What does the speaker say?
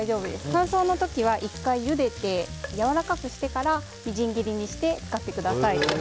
乾燥の時は１回ゆでてやわらかくしてからみじん切りにして使ってください。